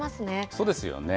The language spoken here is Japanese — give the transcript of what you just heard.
そうですよね。